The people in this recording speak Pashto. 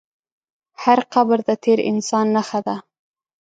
هر قبر د تېر انسان نښه ده.